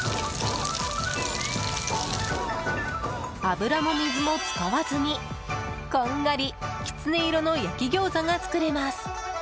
油も水も使わずにこんがりキツネ色の焼きギョーザが作れます。